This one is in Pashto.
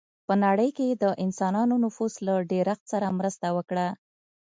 په نړۍ کې یې د انسانانو نفوس له ډېرښت سره مرسته وکړه.